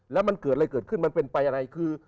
แล้วมันเกิดอะไรเกิดขึ้นมันเป็นไปอะไรคือ